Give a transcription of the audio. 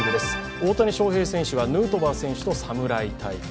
大谷翔平選手がヌートバー選手と侍対決。